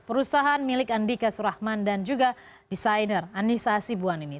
perusahaan milik andika surahman dan juga desainer anissa hasibuan ini